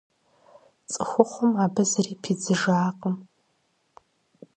ЦӀыхухъум абы зыри пидзыжакъым.